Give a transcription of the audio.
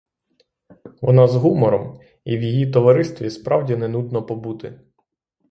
Вона з гумором — і в її товаристві, справді, не нудно побути.